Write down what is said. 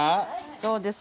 そうです。